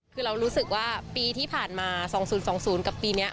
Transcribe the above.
คือเรารู้สึกว่าปีที่ผ่านมา๒๐๒๐กับปีนี้